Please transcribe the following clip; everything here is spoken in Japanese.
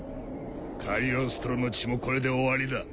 カリオストロの血もこれで終わりだ。